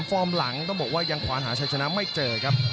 ฟอร์มหลังต้องบอกว่ายังขวานหาชัยชนะไม่เจอครับ